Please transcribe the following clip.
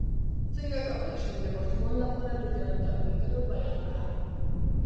څنګه کولی شم د ماشومانو لپاره د جنت د اوریدلو بیان کړم